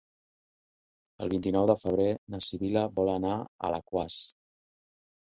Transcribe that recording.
El vint-i-nou de febrer na Sibil·la vol anar a Alaquàs.